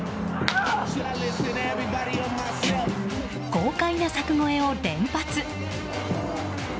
豪快な柵越えを連発。